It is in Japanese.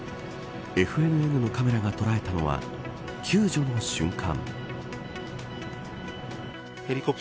ＦＮＮのカメラが捉えたのは救助の瞬間。